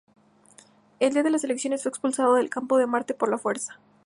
El día de las elecciones fue expulsado del Campo de Marte por la fuerza.